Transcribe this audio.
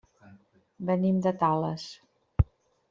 Venim de Tales.